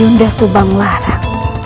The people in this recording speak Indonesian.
sudah subang larang